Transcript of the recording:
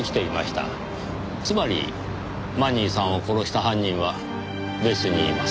つまりマニーさんを殺した犯人は別にいます。